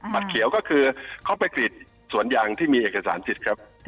เขียวก็คือเขาไปกรีดสวนยางที่มีเอกสารสิทธิ์ครับ